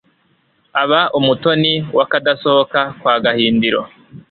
Aba umutoni w'akadasohoka kwa Gahindiro